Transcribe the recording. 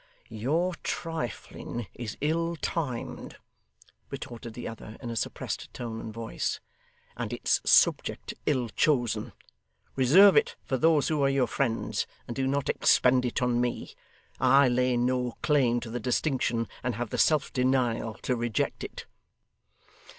'Your trifling is ill timed,' retorted the other in a suppressed tone and voice, 'and its subject ill chosen. Reserve it for those who are your friends, and do not expend it on me. I lay no claim to the distinction, and have the self denial to reject it.